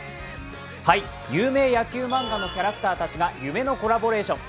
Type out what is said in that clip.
有名野球漫画のキャラクターたちが夢のコラボレーション。